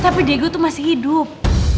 tapi diego itu masih hidup